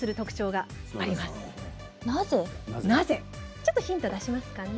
ちょっとヒントを出しますかね。